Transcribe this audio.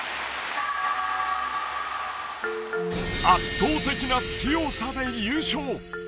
圧倒的な強さで優勝。